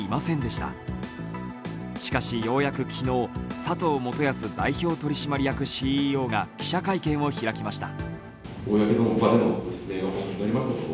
しかし、ようやく昨日、佐藤元保代表取締役ＣＥＯが記者会見を開きました。